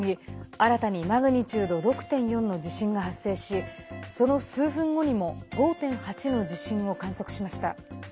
新たに、マグニチュード６．４の地震が発生しその数分後にも５．８の地震を観測しました。